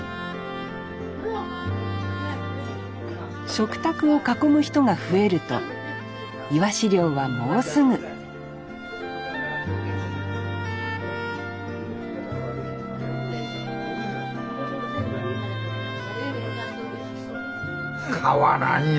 食卓を囲む人が増えるとイワシ漁はもうすぐ変わらんよ。